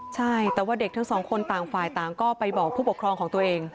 ใช่แต่ว่าเด็กทั้งสองคนต่างฝ่ายต่างก็ไปบอกผู้ปกครองของตัวเอง